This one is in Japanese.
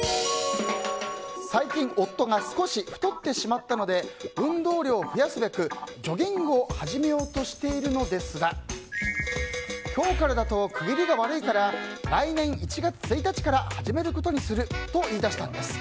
最近、夫が少し太ってしまったので運動量を増やすべくジョギングを始めようとしているのですが今日からだと区切りが悪いから来年１月１日から始めることにすると言い出したんです。